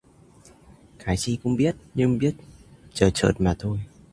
Cái chi cũng biết nhưng biết chợt chợt mà thôi